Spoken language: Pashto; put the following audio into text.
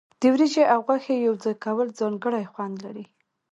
د وریجې او غوښې یوځای کول ځانګړی خوند لري.